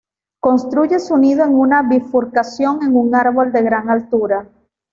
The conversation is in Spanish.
Construye su nido en una bifurcación en un árbol de gran altura.